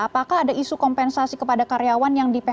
apakah ada isu kompensasi kepada karyawan yang di phk